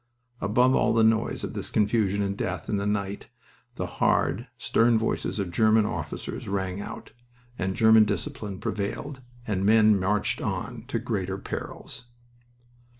Above all the noise of this confusion and death in the night the hard, stern voices of German officers rang out, and German discipline prevailed, and men marched on to greater perils.